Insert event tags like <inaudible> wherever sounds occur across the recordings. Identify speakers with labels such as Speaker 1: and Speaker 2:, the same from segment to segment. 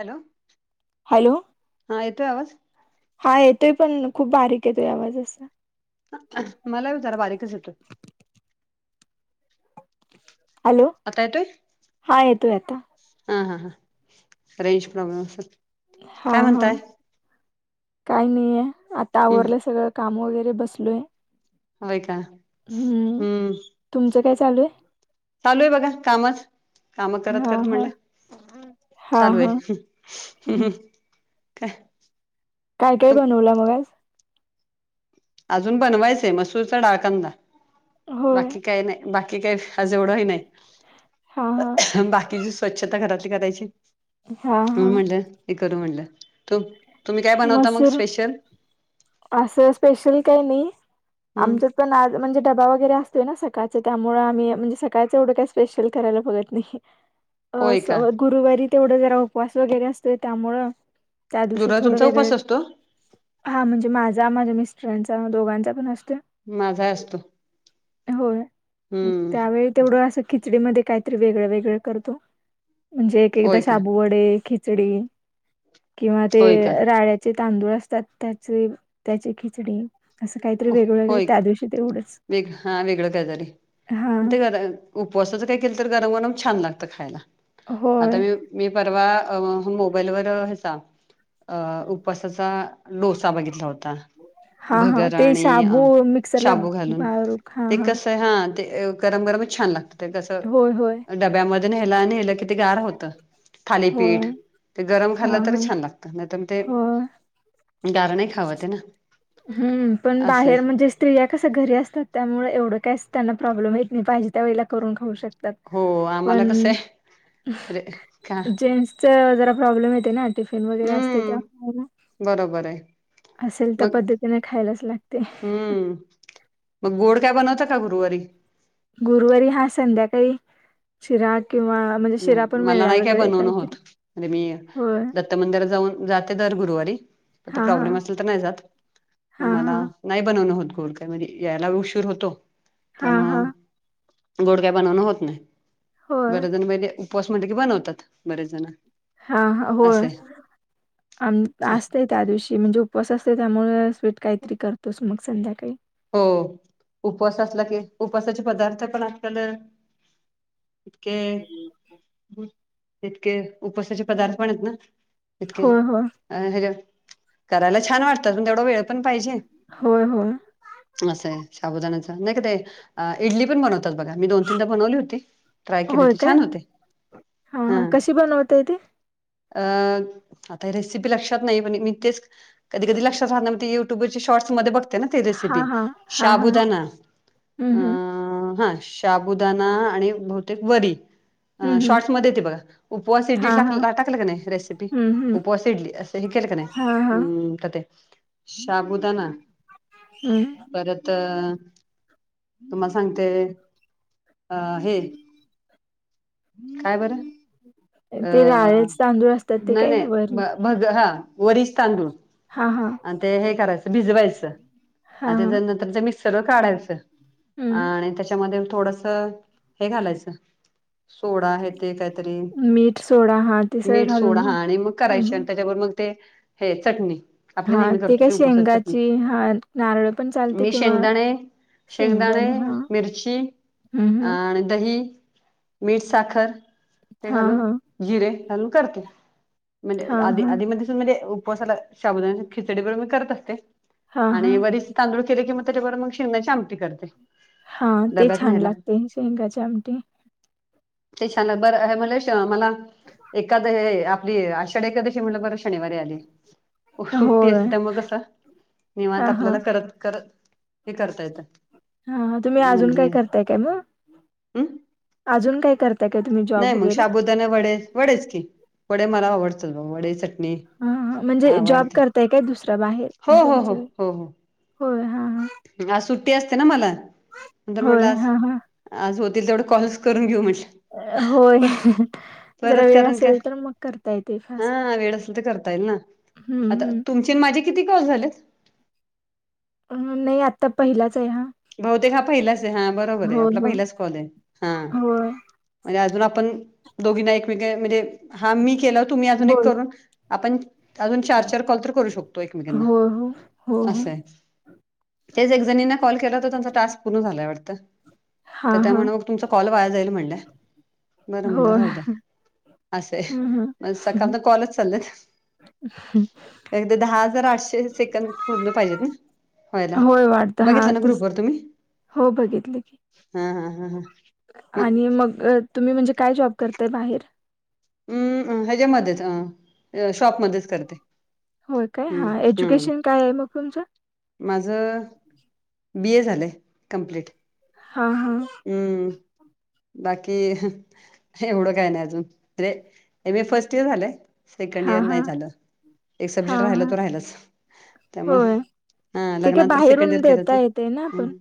Speaker 1: Hello!
Speaker 2: Hello
Speaker 1: हा येतोय आवाज?
Speaker 2: हा येतोय पण खूप बारीक येतोय आवाज आसा
Speaker 1: मला विचारा बारीकच येतोय
Speaker 2: <unintelligible> ते-
Speaker 1: आता येतोय?
Speaker 2: येतोय आता
Speaker 1: हा हा हा रेंज प्रॉब्लेम असलं
Speaker 2: हा हा काही नाहीये आता
Speaker 1: हम्म
Speaker 2: आवरलं सगळं काम वगैरे बसलोय
Speaker 1: होय का
Speaker 2: हम्म, तुमचं काय चालूय?
Speaker 1: चालूय बघा कामच काम
Speaker 2: आहे
Speaker 1: करत
Speaker 2: हा
Speaker 1: करत
Speaker 2: हा
Speaker 1: म्हटलं
Speaker 2: हा
Speaker 1: चालूय
Speaker 2: हा हम्म.
Speaker 1: काय?
Speaker 2: काय काय
Speaker 1: तु
Speaker 2: बनवलं मग आज?
Speaker 1: आजून बनवायचंय मसूरचा डाळ कांंदा
Speaker 2: होय
Speaker 1: बाकी काही नाही बाकी काय? आज एवढं हे नाही
Speaker 2: हा हा
Speaker 1: बाकीची स्वच्छता घरातली करायची,
Speaker 2: हा हा
Speaker 1: म्हटलं हे करू, म्हणलं तु तुम्ही काय बनवता मग
Speaker 2: मसूर
Speaker 1: स्पेशल?
Speaker 2: असं स्पेशल काही नाही
Speaker 1: हम्म
Speaker 2: आमच्यात पण आज म्हणजे डबा वगैरे असतोय ना सकाळचं त्याळं आम्ही म्हणजे सकाळचं एवढं काही स्पेशल करायला बघत नाही.
Speaker 1: <unintelligible> <inaudible>
Speaker 2: अ गुरुवारी तेवढं जरा उपवास वगैरे असतोय त्यामुळं त्या दिवशी
Speaker 1: गुरुवार
Speaker 2: थोडं
Speaker 1: तुमचा
Speaker 2: वेगळं
Speaker 1: उपास असतो?
Speaker 2: हा म्हणजे माझा माझ्या मिस्टरांडचा दोघांचा पण असतोय
Speaker 1: माझा असतो.
Speaker 2: होय
Speaker 1: हम्म
Speaker 2: त्यावेळेत तेवढं अस खिचडी मधे काहीतरी वेगळं वेगळं करतो म्हणजे एक एकदा
Speaker 1: होय का
Speaker 2: शाबू खिचडी किंवा ते
Speaker 1: होय का
Speaker 2: राय ते तांदूळ असतात. त्याचे त्याचे खिचडी असं काहीतरी
Speaker 1: हो
Speaker 2: वेगळं वेगळं
Speaker 1: होय
Speaker 2: त्या दिवशी तेवढंच.
Speaker 1: वेग हा वेगळं काय तरी
Speaker 2: हा.
Speaker 1: मग तेच आता उपवासाच काय केलं तर गरम गरम छान लागत खायला. आता
Speaker 2: होय.
Speaker 1: मी मी परवा मोबाईलवर ह्याचा अ उपसाचा डोसा बघितला होता.
Speaker 2: हा हा
Speaker 1: भगर
Speaker 2: ते
Speaker 1: आणि
Speaker 2: शाबू मिक्सरला
Speaker 1: शाबू घालून.
Speaker 2: बारीक हा
Speaker 1: ते कसं हा ते गरम गरमच छान लागत. ते
Speaker 2: होय होय.
Speaker 1: कसं डब्यामध्ये न्ह्यला आणि नेल्ह कि ते गार होतं थालीपीठ
Speaker 2: होय.
Speaker 1: ते गरम
Speaker 2: हा
Speaker 1: खाल्लं
Speaker 2: हा.
Speaker 1: तरच छान लागत नाही पण ते
Speaker 2: होय.
Speaker 1: गार नाही खावतये ना
Speaker 2: हम्म, पण
Speaker 1: असं
Speaker 2: बाहेर
Speaker 1: आहे.
Speaker 2: म्हणजे स्त्रिया कसं घरी असतात त्यामूळे एवढं काहीच त्यांना प्रॉब्लेम येत नाही पाहिजे त्या वळेला करून खाऊ शकतात.
Speaker 1: हो
Speaker 2: पण
Speaker 1: आम्हाला कसं आहे रे का
Speaker 2: जेन्ट्स जरा प्रॉब्लेम येते ना टिफिन वगैरे असते
Speaker 1: हम्म
Speaker 2: त्यामुळे
Speaker 1: बरोबर आहे.
Speaker 2: असेल त्या
Speaker 1: मग
Speaker 2: पद्धतीने खायलाच लागते.
Speaker 1: हम्म. मग गोड काय बनवता का गुरुवारी?
Speaker 2: गुरुवारी हा संध्याकाळी शिरा किंवा म्हणजे
Speaker 1: ह
Speaker 2: शिरा पण
Speaker 1: मला
Speaker 2: वेगळा
Speaker 1: नाही काय
Speaker 2: वेगळे
Speaker 1: बनवून
Speaker 2: काहीतरी
Speaker 1: होत म्हणजे मी
Speaker 2: होय
Speaker 1: दत्त मंदिरात जाऊन जाते दर गुरुवारी, फक्त
Speaker 2: हां हां
Speaker 1: प्रॉब्लेम असेल तर नाही जात. ह
Speaker 2: हां
Speaker 1: मला
Speaker 2: हां
Speaker 1: नाही बनवणं होत गोड काय म्हणजे यायला उशीर होतो
Speaker 2: हां
Speaker 1: त्यामु
Speaker 2: हां
Speaker 1: गोड काय बनवणं होत नाही,
Speaker 2: होय
Speaker 1: बरेच जण म्हणजे उपवास म्हणलं की बनवतात बरेच जण.
Speaker 2: हा हो
Speaker 1: असं आहे.
Speaker 2: असतेय त्या दिवशी म्हणजे उपवास असते त्यामुळे काहीतरी करतोच मग संध्याकाळी
Speaker 1: हो उपवासा असला की उपवासाचे पदार्थ पण आपल्याल इितके, तितके उपसाचे पदार्थ पण आहेत ना. इतके,
Speaker 2: होय होय
Speaker 1: अ हर करायला छान वाटतात पण तेवढा वेळ पण पाहिजे.
Speaker 2: होय, होय,
Speaker 1: असं आहे शाबुदाण्याच, नाही का ते इडली पण बनवतात बघा मी दोन तीनदा बनवली होती. ट्राय केली
Speaker 2: होय
Speaker 1: होती
Speaker 2: काय
Speaker 1: छान होते. हा
Speaker 2: कशी बनवताय ते?
Speaker 1: अं, आता रेसिपी लक्षात नाही पण मी तेच कधी कधी लक्षात राहात नाही मग ती युट्युब वरच्या शॉर्ट्सध्ये बघते ना ती रिलस
Speaker 2: हा हा हा हा
Speaker 1: शबुदाना अ
Speaker 2: हम्म
Speaker 1: अ
Speaker 2: हम्म
Speaker 1: हा शाबुदाना आणि बहुतेक वरी अ
Speaker 2: हम्म हम्म
Speaker 1: शॉर्ट्समध्ये ते बघा उपवास इडली
Speaker 2: हा हा
Speaker 1: टाकलं का नाही रेसिपी
Speaker 2: हम्म हम्म
Speaker 1: उपवास इडली असं हे केलं का
Speaker 2: हा हा
Speaker 1: नाहीम् क ते शाबुदाना
Speaker 2: हम्.
Speaker 1: परत अ तुम्हाला सांगते अ हे काय बरं
Speaker 2: ते
Speaker 1: अ
Speaker 2: राळ्याचे तांदूळ असतात ते काही वरी
Speaker 1: भगर हा वरीचे तांदूळ
Speaker 2: हा हा
Speaker 1: आणि ते हे करायचं भिजवायचं
Speaker 2: हा
Speaker 1: आ
Speaker 2: हा
Speaker 1: त्याच्या नंतर ते मिक्सर काढायचं
Speaker 2: हम्म
Speaker 1: आणि त्या त्याच्यामध्ये थोडस हे घालायचं सोडा हे ते काहीतरी
Speaker 2: मीठ सोडा हा ते सगळं
Speaker 1: मीठ सोडा
Speaker 2: घालून
Speaker 1: हा आणि मग
Speaker 2: हम्म
Speaker 1: करायची आणि
Speaker 2: हम्म
Speaker 1: त्याच्यावर मग ते हे चटणी आपली
Speaker 2: हा
Speaker 1: नेहमी करतो
Speaker 2: काय
Speaker 1: ते उपवासाची चटणी,
Speaker 2: शेंगाची हा नारळ पण चालते
Speaker 1: मी
Speaker 2: किंवा
Speaker 1: शेंगदाणे शेंगदाणे, मिरची,
Speaker 2: हम्म हम्म
Speaker 1: आणि दही मीठ, साखर, ते
Speaker 2: हा
Speaker 1: घालून
Speaker 2: हा
Speaker 1: जिरे घालून करते. म्हणजे
Speaker 2: हा
Speaker 1: आधी-
Speaker 2: हा
Speaker 1: आधी मधी म्हणजे उपवासाला शाबुदाना खिचडी बरोबर मी करत असते.
Speaker 2: हा हा
Speaker 1: आणि वरीचे तांदूळ केले कि मग त्याच्याबरोबर मग शेंगदाण्याची आमटी करते.
Speaker 2: हा ते
Speaker 1: डब्यात
Speaker 2: छान
Speaker 1: न्यायला.
Speaker 2: लागते शेंगाच्या आमटी
Speaker 1: ते छान बरं आहे अ मलेश मला एखाद हे ते आषाढी एकादशी म्हटलं बरं शनिवारी आली. सुट्टी
Speaker 2: होय
Speaker 1: असते त्यामुळे कस
Speaker 2: हा
Speaker 1: निवात
Speaker 2: हा
Speaker 1: आपल्याला करत करत हे करता येतं.
Speaker 2: हा, हा, तुम्ही अजून काय
Speaker 1: म्हणजे
Speaker 2: करताय काय मग?
Speaker 1: हम्
Speaker 2: अजून काय करता?
Speaker 1: नाही मग शाबुदाने वडे वडेच केले वडे मला आवडत वडे चटणी.
Speaker 2: हा हा म्हणजे जॉब
Speaker 1: आवडते.
Speaker 2: करताय काय दुसरा बाहेर
Speaker 1: हो
Speaker 2: असं
Speaker 1: हो हो
Speaker 2: विचार
Speaker 1: हो हो.
Speaker 2: होय हा हा.
Speaker 1: आज सुट्टी असते ना मला. नंतर म्हटलं
Speaker 2: होय
Speaker 1: आज
Speaker 2: हा हा.
Speaker 1: आज होतील तेवढं कॉल्स करून घेऊ म्हटलं.
Speaker 2: होय जरा
Speaker 1: परत
Speaker 2: वेळ
Speaker 1: कारण का
Speaker 2: असेल तर मग करता येते फास्ट.
Speaker 1: हा वेळ असेल तर करता येईल ना
Speaker 2: हम्म
Speaker 1: आता
Speaker 2: हम्म.
Speaker 1: तुमचे आणि माझे किती कॉल झालेत.
Speaker 2: अ ह नाही आत्ता पहिलाच आहे हा.
Speaker 1: बहुतेक हा पहिलाच आहे हा बरोबर आहे
Speaker 2: हो
Speaker 1: आपला
Speaker 2: हो
Speaker 1: पहिलाच कॉल आहे हा.
Speaker 2: होय
Speaker 1: म्हणजे अजून आपण दोघींना एकमेक म्हणजे हा मी केलं तुम्ही अजून एक
Speaker 2: बोल
Speaker 1: करून आपण अजून चार चार कॉल तर करू शकतो एकमेकांना
Speaker 2: हो हो हो हो
Speaker 1: असंय. तेच एक जणी कॉल केला तर त्यांचा टास्क पूर्ण झालाय वाटत
Speaker 2: हा
Speaker 1: तर
Speaker 2: हा
Speaker 1: त्यामुळे तुमचा कॉल वाया जाईल म्हणल्या बरं
Speaker 2: हो
Speaker 1: म्हणल राहू द्या. असे आहे
Speaker 2: हम्म
Speaker 1: म सकाळच कॉल च चाललेत.
Speaker 2: ह.
Speaker 1: पण ते दहा हजार आठशे सेकंद पूर्ण पाहिजेत ना. व्हायला
Speaker 2: होय वाटत हा
Speaker 1: बघितलं ना
Speaker 2: तस
Speaker 1: ग्रुपवर
Speaker 2: हो बघितलं की.
Speaker 1: हम हम हम हम.
Speaker 2: आणि मग अ तुम्ही म्हणजे काय जॉब करताय बाहेर.
Speaker 1: हम्म ह्याच्यामध्येच अ शॉपमध्येध्येच करते.
Speaker 2: होय काय
Speaker 1: हम्म
Speaker 2: हा
Speaker 1: हम्म
Speaker 2: एज्युकेशन काय आहे मग तुमचं.
Speaker 1: माझं बी ए झालंय कमप्लीट.
Speaker 2: हां हां.
Speaker 1: हम्म. बाकी एवढं काय नाही अजूने एम ए फर्स्ट इयर झालंय सेकंड इयर
Speaker 2: हां,
Speaker 1: नाही
Speaker 2: हां.
Speaker 1: झालं एक सब्जेक्ट
Speaker 2: हां,
Speaker 1: राहिल
Speaker 2: हां.
Speaker 1: तो राहिलाच त्यामुळ.
Speaker 2: होय.
Speaker 1: हा
Speaker 2: ते काय
Speaker 1: लग्ना नंतर सेकंड
Speaker 2: बाहेरून
Speaker 1: इयर केला
Speaker 2: देता
Speaker 1: तर
Speaker 2: येतंय ना आपण?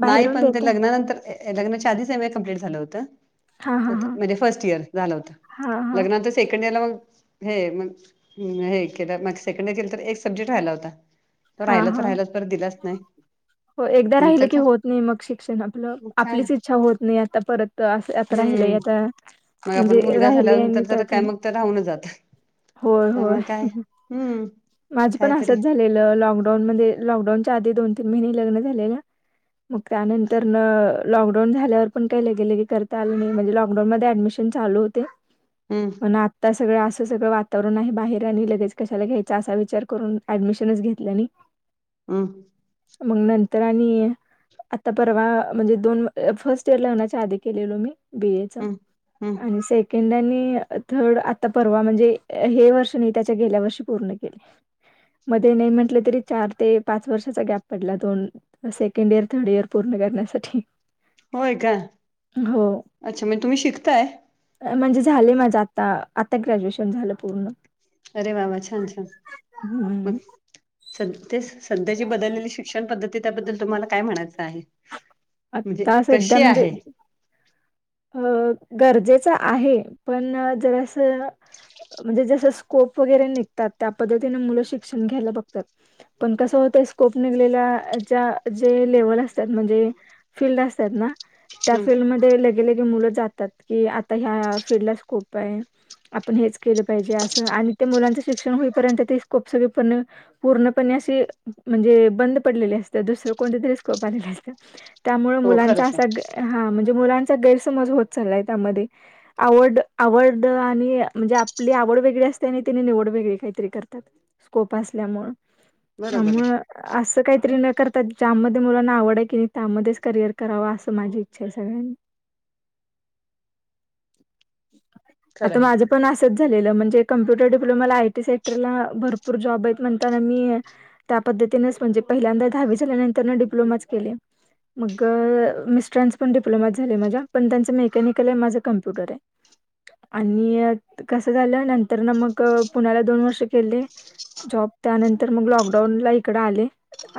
Speaker 2: बाहेरून
Speaker 1: नाईपण ते
Speaker 2: देताय?
Speaker 1: लग्नानंतर लग्नाच्या आधीच एम कंप्ट झालं
Speaker 2: हां, हां, हां.
Speaker 1: होतणजे फर्स्ट इर झालं
Speaker 2: हां, हां.
Speaker 1: हो. सेकंडरला मग हे मग. हे केलंग सेकंड इर केलं तर एक सब्जेक्ट राहियला होता. तो
Speaker 2: हां,
Speaker 1: राहिला तर
Speaker 2: हां.
Speaker 1: राहिलाच पर दिलाच
Speaker 2: हो, एकदा
Speaker 1: नाहीच
Speaker 2: राहिलं की
Speaker 1: का
Speaker 2: होत नाही मग शिक्षण आपलं आपलीच इच्छा होत नाही आता परत. तर असं आता राहिलंय
Speaker 1: हम्म
Speaker 2: आता
Speaker 1: मग आपण
Speaker 2: म्हणजे
Speaker 1: मुलगा
Speaker 2: राहिले आहे मी
Speaker 1: झाल्यानंतर तर काय
Speaker 2: त्यातून
Speaker 1: मग तर राहूनच जात
Speaker 2: होय होय
Speaker 1: त्यामुळे काय हम्म
Speaker 2: माझ पण
Speaker 1: कायतरी
Speaker 2: आसच झाले. लॉकडाऊन म लॉकडाऊनच्या आधी दोन तीन महिने लग्न झालेल्या. मग त्यानंतर न. लॉकडाऊन झाल्यावर पण काही लगेलगे करता आलं नाही म्हणे लॉकडाऊन मध्ये ऍडमिशन चालू होते.
Speaker 1: हम्म
Speaker 2: पण आताच. सगळं असं सगळं वातावरण आहे बाहेर आणि लगेच कशाला घ्यायच असा विचार करून ऍडमिशनच घेतलं नाही.
Speaker 1: हम.
Speaker 2: मग नंतर आणि आता परवा म्हणजे दोन फर्स्ट इयर लग्नाच्या आधी केलेलो मी. बीए च
Speaker 1: हम्म हम्म
Speaker 2: आणि से सेकडनी थर्ड आता परवा म्हणजे हे वर्ष नाही त्याच्या गेल्या वर्षी पूर्ण केले. मध्ये नाही म्हटले तरी. चार ते पाच वर्षाचा गॅप पडला दोन सेकंड इयर थर्ड इयर पूर्ण करण्यासाठी.
Speaker 1: होय का
Speaker 2: हो
Speaker 1: अच्छा म्हणे तुम्ही शिकताय.
Speaker 2: म्हणजे झाले माझं आता आता ग्रॅज्युएशन झालं पूर्ण.
Speaker 1: अरे वाबा छान छान
Speaker 2: हम्म
Speaker 1: मग स ते. सध्याची बदललेली शिक्षण पद्धती त्याबद्दल तुम्हाला काय म्हणायचं आहे. म्हणजे
Speaker 2: आता सध्या
Speaker 1: कशी
Speaker 2: म्हणजे.
Speaker 1: आहे?
Speaker 2: अ गरजेच आहे पण जरा असं. म्हणजे जस स्कोप वगैरे निघतात त्या पद्धतीने मुलं शिक्षण घ्यायला बघतात. पण कसं होत स्कोप निघलेल्या जे लेवल असतात म्हणजे. फीलल्ड असतात ना त्या
Speaker 1: हम्म.
Speaker 2: फीलल्डमध्ये. गेले क मुलं जातात की आता ह्या फीलल्ड ला स्कोप आहे. आपण हेच केलं पाहिजे असं आणि ते मुलांचं शिक्षण होईपर्यंत ते स्कोप सगपण. पूर्णपणे असशी म्हणजे बंद पडलेली असते दुसरं कोणत तरीस्कोप आलेले असत. त्यामुळे
Speaker 1: हो
Speaker 2: मुलांचा
Speaker 1: खरंच
Speaker 2: असा
Speaker 1: आहे.
Speaker 2: हा म्हणजे मुलांचा गैरसमज होत चाललाय त्यामध्ये. आवड आवड आणि म्हणजे आपली आवड वेगळी असते आणि तिने निवड वेगळी काहीतरी करतात. स्कोप अस मर
Speaker 1: बरोबर आहे.
Speaker 2: त्यामुळे. असं काहीतरी न करताात ज्यामध्ये मुलांना आवड आहे की नाही त्यामध्येच करिअयर करावा असं माझी इच्छा आहे सगळ्यांनी.
Speaker 1: खरं
Speaker 2: आता
Speaker 1: आहे.
Speaker 2: माझ्या. पण असत झालेलं म्हणजे कम्प्युटर डिप्लोमाला आयटी सेक्टरला भरपूर जॉब आहेत म्हणताना मी. त्या पद्धतीनेच म्हणजे पहिल्यांदा दहावी झाल्यानंतर डिप्लोमाच केले. मग मिस्टरांस पण डिप्लोमात झाले माझ्या पण त्यांचं मेकॅनिकल आहे माझं कम्प्युटर आहे. आणि कसं झालं नंतर ना मग पुणाला दोन वर्ष केले. जॉब त्यानंतर मग लॉकडाऊन ला इकडे आले.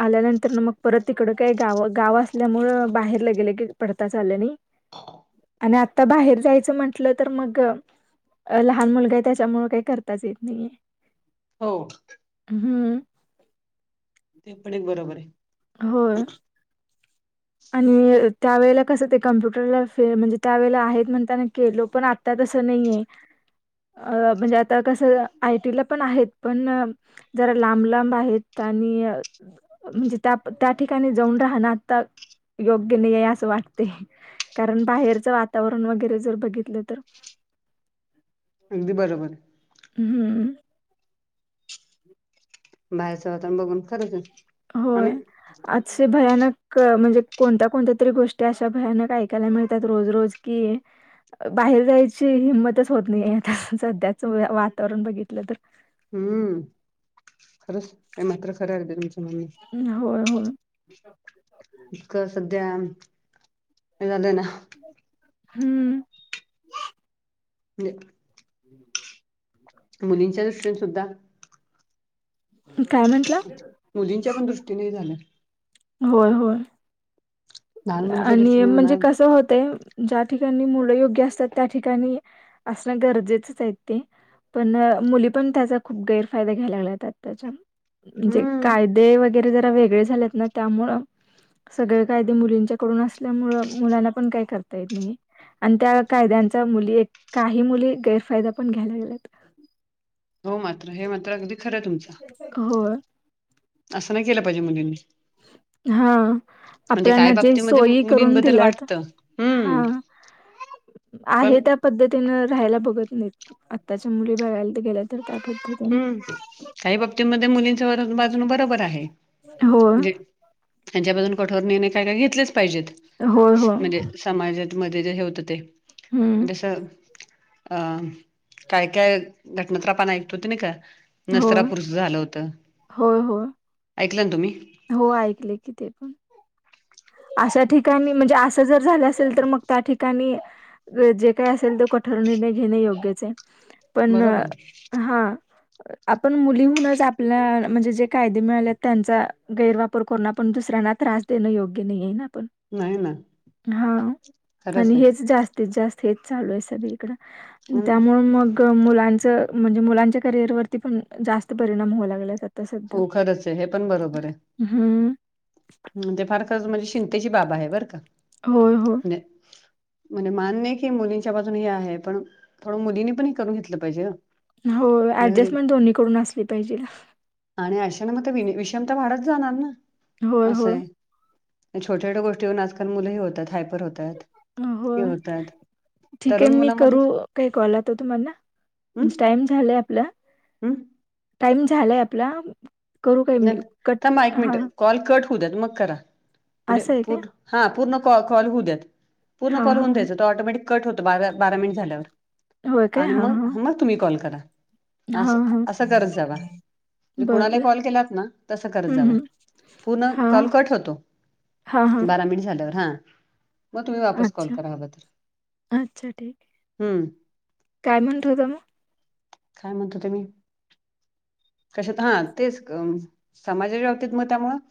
Speaker 2: आल्यानंतर ना मग परत तिकड काही गाव गाव असल्यामु बाहेरला गेले की पडताच आलं नाही.
Speaker 1: <inaudible>
Speaker 2: आणि आता बाहेर जायचं म्हण. लं तर मग लहान मुलगा त्याच्यामु काही करताच येत नाहीे.
Speaker 1: हो.
Speaker 2: हम्म
Speaker 1: ते पण एक बरोबर आहे.
Speaker 2: हो. आणि त्यावेेळे कसं ते कम्प्युटरला फे म्हणजे त्यावेेळेला आहेत म्हणताना के लो पण आत्ता तसं नाहीय.
Speaker 1: <inaudible>
Speaker 2: अ म्हणजे आता कसं आयटीला पण आहेत पण. जरा लांब लांब आहेत आणि. म्हणजे त्या त्या ठिकाणी जाऊन राहणं आता. योग्य नाही आहे असं वाटते कारण बाहेरचं वातावरण वगैरे जर बघितलं तर.
Speaker 1: अगदी बरोबर आहे.
Speaker 2: हम्म.
Speaker 1: बाहेरचं होता बघून खरंच आणि
Speaker 2: होय. आजे भयानक म्हणजे कोणत्या कोणत्या तरी गोष्टी अशा भयानक ऐकायला मिळतात रोज रोज. कि. बाहेर जायची हिंमतच होत नाहीे आता सध्याच वातावरण बघितलं तर.
Speaker 1: हम्म, खरंच हे मात्र खरं हाय अर्दी तुमच म्हणणं.
Speaker 2: होय, होय.
Speaker 1: इतकं सध्या हे झालंय ना.
Speaker 2: हम्म.
Speaker 1: <inaudible>
Speaker 2: <inaudible>
Speaker 1: मुलींच्या दृष्टीन सुद्धा
Speaker 2: काय म्हंटला?
Speaker 1: मुलींच्या पण दृष्टीने हे झाल.
Speaker 2: होय होय,
Speaker 1: लहान मुलींच्या
Speaker 2: आणि
Speaker 1: दृष्टीने म्हणा
Speaker 2: म्हणजे कसं होतय. ज्या ठिकाणी मुलं योग्य असतात, त्या ठिकाणी असणं गरजेचंच आहेत ते. पण, मुली पण त्याचा खूप गैरफायदा घ्याय लागल्यात आताच्या. जे
Speaker 1: हम्म
Speaker 2: कायदे वगैरे जरा वेगळे झालेत ना त्यामुं सगळे कायदे. मुलींच्या कडून असल्यामूळ, मुलांना पण काही करता येत नाही. आणि त्या कायद्यांचा मुली एक काही मुली गैरफायदा पण घ्यायला लागल्यात.
Speaker 1: हो मात्र, हे मात्र अगदी खरं तुमच.
Speaker 2: होय.
Speaker 1: असं नाही केलं पाहिजे मुलींनी.
Speaker 2: हा
Speaker 1: म्हणजे
Speaker 2: आपल्या
Speaker 1: काय
Speaker 2: ना जे
Speaker 1: बाबतीमध्ये
Speaker 2: सोयी करून
Speaker 1: मुलींबद्दल
Speaker 2: दिल्यात
Speaker 1: वाटतं हम्म
Speaker 2: हा.
Speaker 1: पण
Speaker 2: आहे त्या, पद्धतीन राहायला बघत नाहीत, आत्ताच्या मुली बघायला तर गेल्या तर <unintelligible>
Speaker 1: हं, काही बाबतीमध्ये मुलींच बाजून बरोबर आहे,
Speaker 2: होय
Speaker 1: म्हणजे हेंच्याबद्दल, कठोर निर्णय काय-काय घेतलेच पाहिजेत
Speaker 2: होय होय
Speaker 1: म्हणजे. समाजात मध्ये जे हे होत ते
Speaker 2: हम्म
Speaker 1: जस अं काय, काय घटना <unintelligible> आपण ऐकतो होत नाही का?
Speaker 2: होय
Speaker 1: नसरापुरच झालं होत,
Speaker 2: होय होय
Speaker 1: ऐकलं ना तुम्ही?
Speaker 2: हो, ऐकले की ते पण. अशा ठिकाणी म्हणजे, असं जर झालं असेल तर, मग त्या ठिकाणी जे काय असेल, तो कठोर निर्णय घेणे योग्यच आहे, पण
Speaker 1: बरोबर आहे.
Speaker 2: हा आपण मुलीहूनच आपल्या म्हणजे, जे कायदे मिळाले त्यांचा गैरवाप पर कोणा पण दुसऱ्यांना त्रास देणं, योग्य नाहीये ना पण?
Speaker 1: नाही ना
Speaker 2: हा
Speaker 1: खरंच
Speaker 2: आणि
Speaker 1: आहे
Speaker 2: हेच जास् स्तीत जास्त हेच चालू आहे सगळीकड,
Speaker 1: हम्म,
Speaker 2: त्यामुळे मग क मुलांचं म्हणजे, मुलांच्या करिअरवरती पण, जास्त परिणाम होऊ लागल्यात आता सध्या.
Speaker 1: हो खरंच आहे हे पण
Speaker 2: हम्म.
Speaker 1: ते फार खरंच म्हणजे शिंतेची बाबा आहे बरं का.
Speaker 2: होय, हो.
Speaker 1: <unintelligible> म्हणजे मान्यये की मुलींच्या बाजूनी हे आहे, पण थोडं मुलींनी पण हे करून घेतलं पाहिजे ना.
Speaker 2: होय ऍडजस्टमेंट दोन्ही कडन असली पाहिजे
Speaker 1: आणि आशान मग ते विणी विषमता तर वाढत जाणार ना,
Speaker 2: होय होय.
Speaker 1: असाय. आणि छोट्या, छोट्या गोष्टीवरन आजकाल मुलं हे होतात, हायपर होतात. हे
Speaker 2: होय.
Speaker 1: होतात
Speaker 2: ठीक
Speaker 1: तरुण
Speaker 2: आहे, मी
Speaker 1: मुलामध्ये
Speaker 2: करू काय कॉल आता तुम्हांना, टाइम झालंय आपला
Speaker 1: उ.
Speaker 2: टाईम झालाय आपला करू काय मी
Speaker 1: नाही
Speaker 2: कट
Speaker 1: थांबा एक मिनिट
Speaker 2: हा.
Speaker 1: कॉल कट होऊ द्यात मग करा म्हणजे
Speaker 2: असं आहे काय?
Speaker 1: पूर हा पूर्ण कॉक कॉल होऊ द्यात. पूर्ण
Speaker 2: हा
Speaker 1: कॉल
Speaker 2: हा
Speaker 1: होऊन
Speaker 2: हा
Speaker 1: द्यायचा तो ऑटोमॅटिक कट होतो बारा बारा मिनिट झाल्यावर आणि मग हा मग तुम्ही कॉल करा
Speaker 2: हा
Speaker 1: असं
Speaker 2: हा
Speaker 1: असं करत जावा
Speaker 2: बरं बरं
Speaker 1: कुणालाही कॉल केला तसं करत
Speaker 2: हम्म
Speaker 1: जावा
Speaker 2: हम्म
Speaker 1: पूर्ण
Speaker 2: हा
Speaker 1: कॉल कट होतो
Speaker 2: हा हा
Speaker 1: बारा मीट झाल्यावर हां मग तुम्ही वापस कॉल
Speaker 2: अच्छा
Speaker 1: करा हव तर
Speaker 2: अच्छा ठीक आहे.
Speaker 1: हम्म
Speaker 2: काय म्हणत होता मग
Speaker 1: काय म्हणीत होते मी कशात हां तेच समाजाच्या बाबतीत मग त्यामुळं